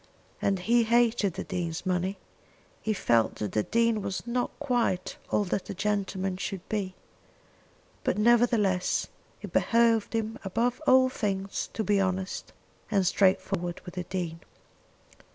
And he hated the Dean's money. He felt that the Dean was not quite all that a gentleman should be. But, nevertheless, it behoved him above all things to be honest and straightforward with the Dean.